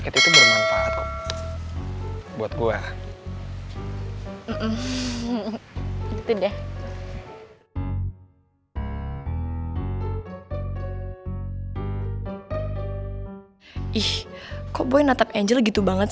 supaya dia bersemangat